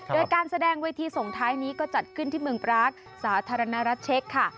โดยการแสดงเวทีส่งท้ายนี้ก็จัดขึ้นที่เมืองปรากสาธารณรัฐเช็คค่ะ